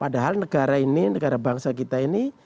padahal negara ini negara bangsa kita ini